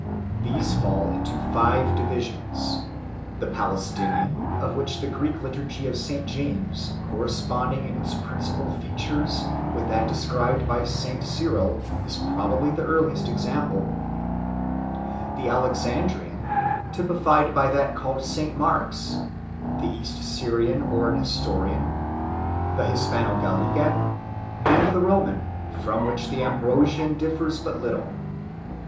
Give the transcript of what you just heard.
These fall into five divisions ; the Palestinian, of which the Greek Liturgy of St James, corresponding in its principal features with that described by St Cyril, is probably the earliest example; the Alexandrian, typified by that called St Mark s; the East Syrian or Nestorian ; the Hispano Galliean ; and the Roman, from which the Ambrosiaii differs but little.